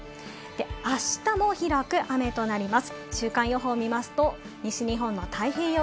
明日も広く雨となります。